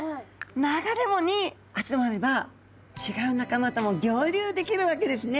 流れ藻に集まれば違う仲間とも合流できるわけですね。